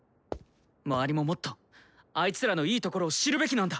周りももっとあいつらのいいところを知るべきなんだ。